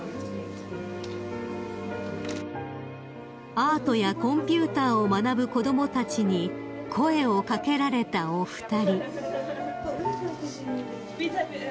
［アートやコンピューターを学ぶ子供たちに声を掛けられたお二人］